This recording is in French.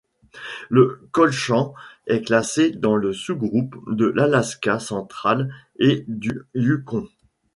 Le kolchan est classé dans le sous-groupe de l'Alaska central et du Yukon.